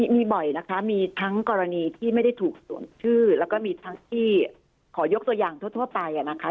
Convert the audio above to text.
มีบ่อยนะคะมีทั้งกรณีที่ไม่ได้ถูกสวมชื่อแล้วก็มีทั้งที่ขอยกตัวอย่างทั่วไปนะคะ